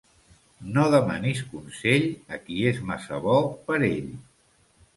No demanis consell a qui és massa bo per ell.